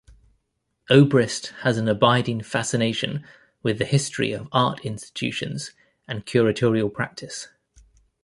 Obrist has an abiding fascination with the history of art institutions and curatorial practice.